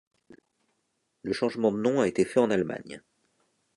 Le changement de nom a été fait en Allemagne.